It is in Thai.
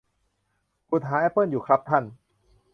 ขุดหาแอปเปิ้ลอยู่ครับท่าน